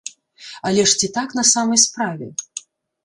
Але ж ці так на самай справе?